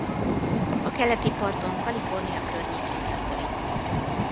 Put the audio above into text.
A keleti parton Kalifornia környékén gyakori.